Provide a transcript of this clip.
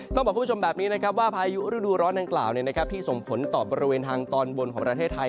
ต้องบอกคุณผู้ชมแบบนี้นะครับว่าพายุฤดูร้อนดังกล่าวที่ส่งผลต่อบริเวณทางตอนบนของประเทศไทย